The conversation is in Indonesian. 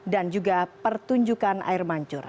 dan juga pertunjukan air mancur